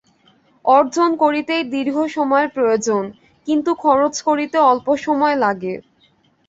অর্জন করিতেই দীর্ঘ সময়ের প্রয়োজন, কিন্তু খরচ করিতে অল্প সময় লাগে।